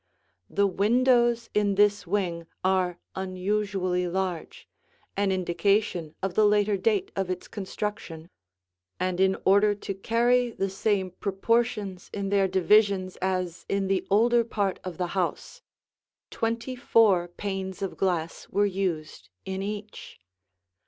The windows in this wing are unusually large, an indication of the later date of its construction, and in order to carry the same proportions in their divisions as in the older part of the house, twenty four panes of glass were used in each.